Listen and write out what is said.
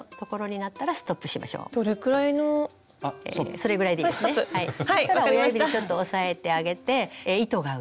そしたら親指でちょっと押さえてあげて糸が上。